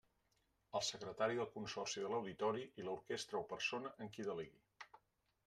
El Secretari del Consorci de L'Auditori i l'orquestra o persona en qui delegui.